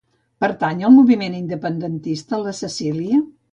Pertany al moviment independentista la Cecilia?